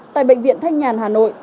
tại bệnh viện thanh nhàn hà nội